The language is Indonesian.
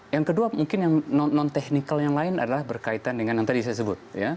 yang kedua mungkin yang non technical yang lain adalah berkaitan dengan yang tadi saya sebut